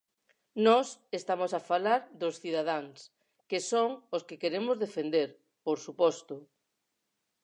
Nós estamos a falar dos cidadáns, que son os que queremos defender, por suposto.